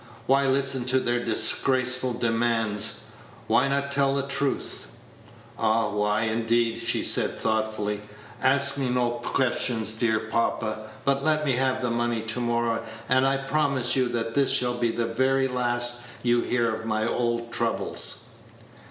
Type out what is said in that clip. Why listen to their disgraceful demands? Why not tell the truth?" "Ah! why, indeed!" she said, thoughtfully. "Ask me no questions, dear papa, but let me have the money to morrow, and I promise you that this shall be the very last you hear of my old troubles."